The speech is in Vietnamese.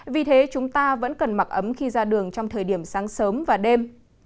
vì thế chúng ta vẫn cần mặc ấm khi ra đường trong thời điểm sáng sớm và đêm